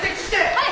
はい！